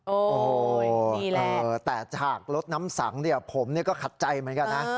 โอ้ยดีแหละแต่ฉากรถน้ำสังผมก็ขัดใจเหมือนกันนะ